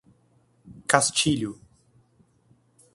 Castilho